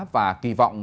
và kỳ vọng